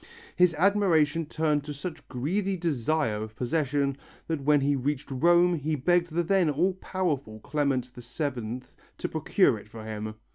His admiration turned to such greedy desire of possession that when he reached Rome he begged the then all powerful Clement VII to procure it for him.